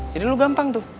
jadi lo gampang tuh